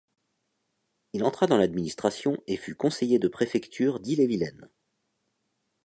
Il entra dans l'administration et fut conseiller de préfecture d'Ille-et-Vilaine.